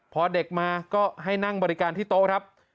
พอเด็กมาก็ให้นั่งบริการที่โต๊ะครับ